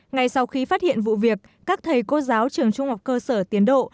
ngay sau khi phát hiện vụ việc các thầy cô giáo trường trung học cơ sở tiến độ